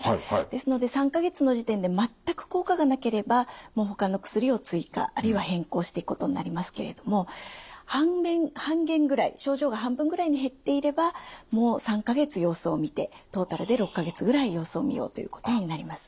ですので３か月の時点で全く効果がなければもうほかの薬を追加あるいは変更していくことになりますけれども半減ぐらい症状が半分ぐらいに減っていればもう３か月様子を見てトータルで６か月ぐらい様子を見ようということになります。